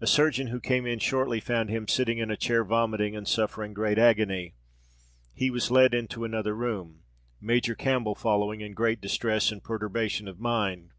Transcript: A surgeon, who came in shortly, found him sitting in a chair, vomiting and suffering great agony. He was led into another room, Major Campbell following, in great distress and perturbation of mind.